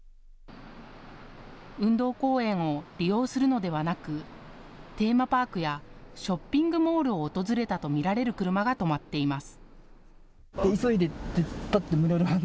運動公園を利用するのではなくテーマパークやショッピングモールを訪れたと見られる車が止まっています。